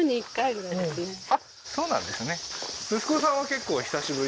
あっそうなんですね